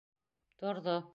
Торҙо